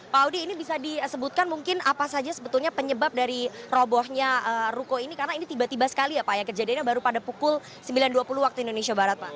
pak audi ini bisa disebutkan mungkin apa saja sebetulnya penyebab dari robohnya ruko ini karena ini tiba tiba sekali ya pak ya kejadiannya baru pada pukul sembilan dua puluh waktu indonesia barat pak